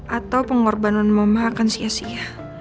atau pengorbanan mama akan sia sia